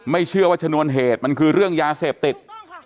เชื่อว่าชนวนเหตุมันคือเรื่องยาเสพติด